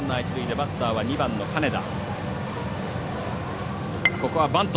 バッターは２番の金田。